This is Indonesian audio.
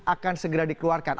akan segera dikeluarkan